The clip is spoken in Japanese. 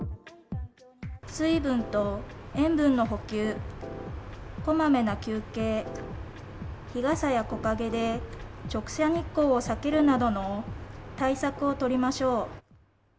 水分と塩分の補給、こまめな休憩、日傘や木陰で直射日光を避けるなどの対策を取りましょう。